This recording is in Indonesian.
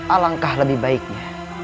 alangkah lebih baiknya